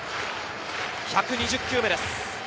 １２０球目です。